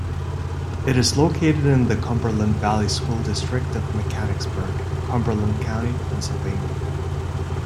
It is located in the Cumberland Valley School District of Mechanicsburg, Cumberland County, Pennsylvania.